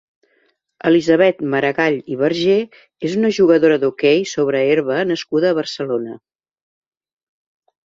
Elisabeth Maragall i Vergé és una jugadora d'hoquei sobre herba nascuda a Barcelona.